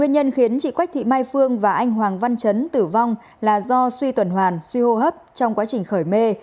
nguyên nhân khiến chị quách thị mai phương và anh hoàng văn chấn tử vong là do suy tuần hoàn suy hô hấp trong quá trình khởi mê